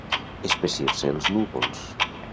Espessir-se els núvols.